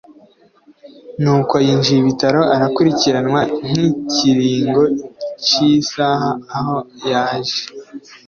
Nuko yinjiye ibitaro…Arakurikiranwa nkikiringo cisaha aho yaje